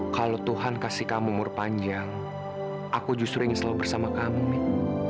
kalau tuhan kasih kamu umur panjang aku justru ingin selalu bersama kami